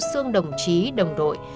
sương đồng chí đồng đội